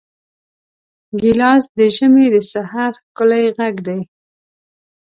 ګیلاس د ژمي د سحر ښکلی غږ دی.